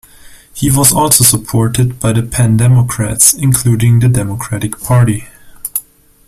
He was also supported by the pan-democrats, including the Democratic Party.